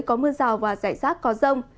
có mưa rào và giải rác có rông